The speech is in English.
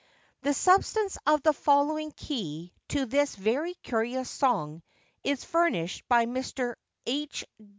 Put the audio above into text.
The substance of the following key to this very curious song is furnished by Mr. H.